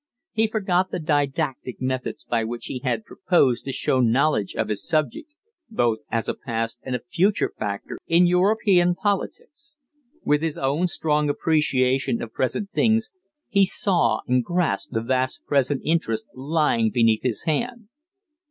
He forgot the didactic methods by which he had proposed to show knowledge of his subject both as a past and a future factor in European politics. With his own strong appreciation of present things, he saw and grasped the vast present interest lying beneath his hand.